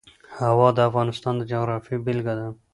هوا د افغانستان د جغرافیې بېلګه ده.